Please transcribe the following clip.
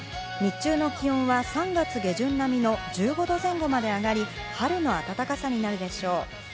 日中の気温は３月下旬並みの１５度前後まで上がり、春の暖かさになるでしょう。